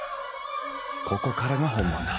ここからが本番だ。